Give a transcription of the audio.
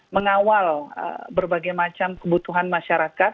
mengawal berbagai macam kebutuhan masyarakat